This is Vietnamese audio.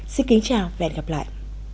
xin kính chào và hẹn gặp lại